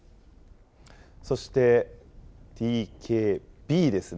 そしてＴ、Ｋ、Ｂですね。